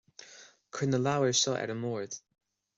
Cuir na leabhair seo ar an mbord